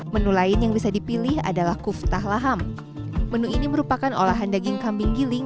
menu lain yang bisa dipilih adalah kuftah laham menu ini merupakan olahan daging kambing giling